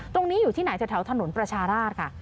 ตรงนี้อยู่ที่ไหนแถวถนนประชาราชค่ะ